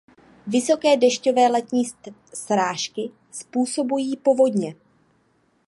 Vysoké dešťové letní srážky způsobují povodně.